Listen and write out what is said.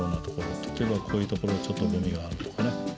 例えばこういうところちょっとごみがあるとかね。